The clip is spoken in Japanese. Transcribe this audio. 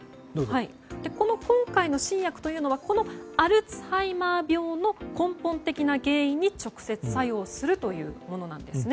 今回の新薬というのはこのアルツハイマー病の根本的な原因に直接作用するというものなんですね。